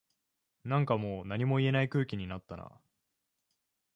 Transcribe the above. なんかもう何も言えない空気になったな